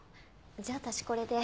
じゃあ私これで。